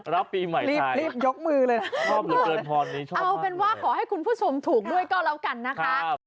รับปีใหม่ไทยรีบยกมือเลยนะเอาเป็นว่าขอให้คุณผู้ชมถูกด้วยก็แล้วกันนะคะ